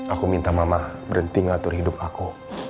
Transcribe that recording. aku minta mama berhenti ngatur hidup aku